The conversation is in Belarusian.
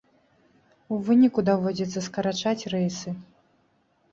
У выніку даводзіцца скарачаць рэйсы.